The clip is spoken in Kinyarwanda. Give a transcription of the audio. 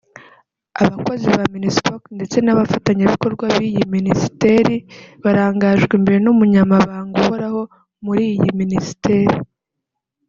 Abakozi ba Minispoc ndetse n’abafatanyabikorwa b’iyi minisiteri barangajwe imbere n’umunyamabanga uhoraho muri iyi minisiteri